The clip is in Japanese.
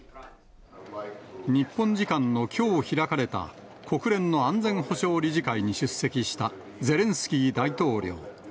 日本時間のきょう開かれた、国連の安全保障理事会に出席したゼレンスキー大統領。